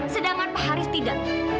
sedangkan pak haris tidak